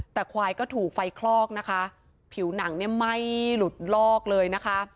แต่ควายก็ถูกไฟคลอกนะคะผิวหนังเนี่ยไหม้หลุดลอกเลยนะคะ